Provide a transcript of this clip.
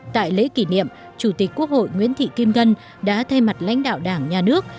tại lễ kỷ niệm chủ tịch quốc hội nguyễn thị kim ngân đã thay mặt lãnh đạo đảng nhà nước